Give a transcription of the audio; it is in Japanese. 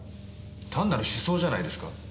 単なる刺創じゃないですか？